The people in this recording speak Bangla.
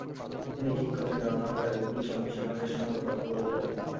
তিনি ঠিক করলেন, রওনা হবার আগে পুলিশ কমিশনারের সঙ্গে কথা বলে যাবেন।